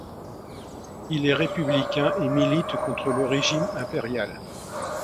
Il est républicain et milite contre le régime impérial.